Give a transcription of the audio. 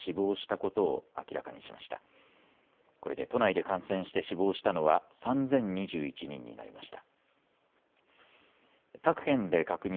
これで都内で感染して死亡したのは３０２１人になりました。